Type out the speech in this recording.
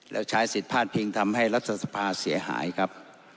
แล้วใช้สิทธิ์พลาดพิงทำให้รัฐสภาเสียหายครับ